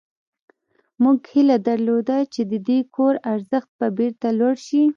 موږ هیله درلوده چې د دې کور ارزښت به بیرته لوړ شي